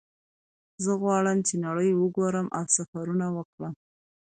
زه غواړم چې نړۍ وګورم او سفرونه وکړم